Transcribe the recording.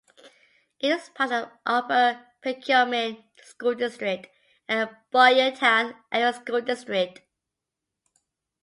It is part of the Upper Perkiomen School District and Boyertown Area School District.